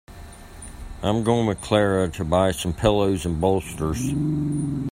I'm going with Clara to buy some pillows and bolsters.